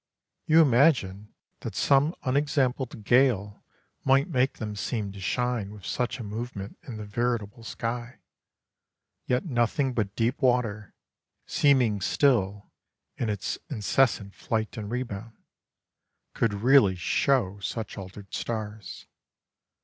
You imagine that some unexampled gale might make them seem to shine with such a movement in the veritable sky; yet nothing but deep water, seeming still in its incessant flight and rebound, could really show such altered stars.